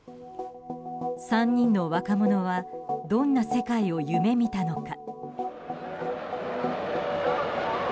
３人の若者はどんな世界を夢見たのか。